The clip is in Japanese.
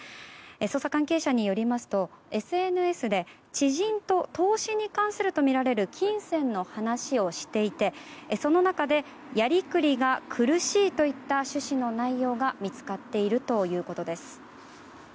捜査関係者によりますとＳＮＳで、知人と投資に関するとみられる金銭の話をしていてその中でやりくりが苦しいといった趣旨の内容が見つかっているということです。